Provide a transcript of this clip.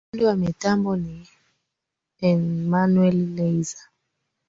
fundi wa mitambo ni enamuel elyzar